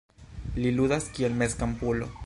Li ludas kiel mezkampulo.